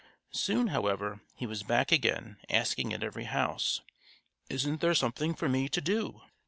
Soon, however, he was back again, asking at every house: "Isn't there something for me to do?"